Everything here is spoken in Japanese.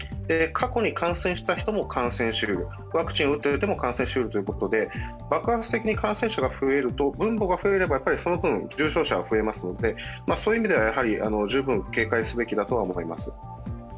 過去に感染した人も感染しうるということで爆発的に感染者が増えると分母が増えると感染者が増えますのでそういう意味では十分警戒すべきだとは思います。